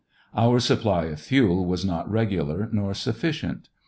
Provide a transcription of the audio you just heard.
Our supply of fuel was not regular nor sufficient.